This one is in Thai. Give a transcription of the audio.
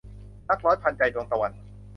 รักร้อยพันใจ - ดวงตะวัน